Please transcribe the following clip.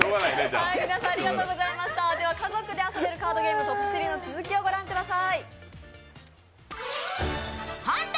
家族で遊べるカードゲームトップ３の続きをご覧ください。